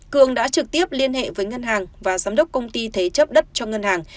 cường đã trực tiếp liên hệ với ngân hàng và giám đốc công ty thế chấp đất cho ngân hàng